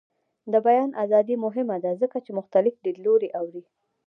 د بیان ازادي مهمه ده ځکه چې مختلف لیدلوري اوري.